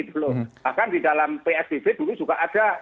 bahkan di dalam psbb dulu juga ada